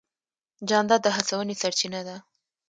جانداد د هڅونې سرچینه دی.